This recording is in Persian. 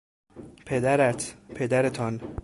پدرت، پدرتان